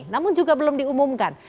namun juga belum diumumkan